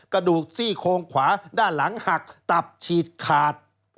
กระดูกซี่โครงขวาด้านหลังหักตับฉีกขาด